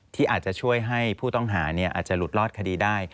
ที่อาจจะช่วยให้ผู้ต้องหาอาจจะหลุดรอดคดีได้